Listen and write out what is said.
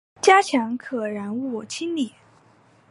加强可燃物清理